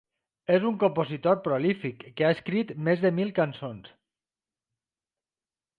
És un compositor prolífic que ha escrit més de mil cançons.